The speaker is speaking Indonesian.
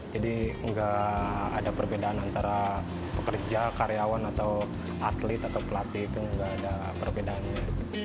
jadi nggak ada perbedaan antara pekerja karyawan atau atlet atau pelatih itu nggak ada perbedaannya